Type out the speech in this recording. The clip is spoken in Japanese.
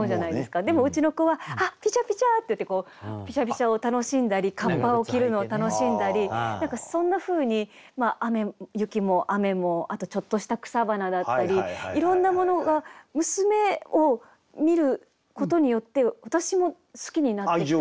でもうちの子は「ピチャピチャ！」っていってピシャピシャを楽しんだりカッパを着るのを楽しんだり何かそんなふうに雪も雨もあとちょっとした草花だったりいろんなものが娘を見ることによって私も好きになっていった。